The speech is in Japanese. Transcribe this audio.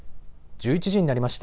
１１時になりました。